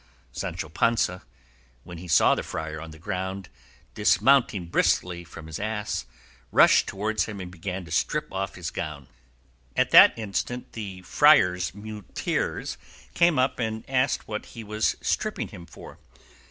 Sancho Panza, when he saw the friar on the ground, dismounting briskly from his ass, rushed towards him and began to strip off his gown. At that instant the friars' muleteers came up and asked what he was stripping him for.